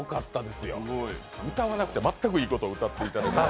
歌わなくて全くいいことを歌っていただいて。